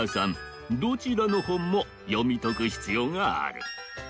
どちらのほんもよみとく必要がある。